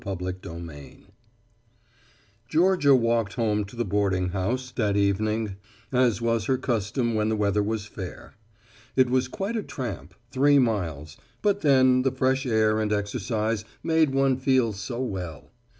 XXXII REBELLION Georgia walked home to the boarding house that evening, as was her custom when the weather was fair. It was quite a tramp, three miles, but then the fresh air and exercise made one feel so well.